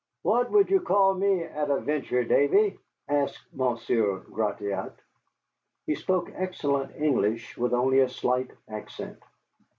"What would you call me, at a venture, Davy?" asked Monsieur Gratiot. He spoke excellent English, with only a slight accent.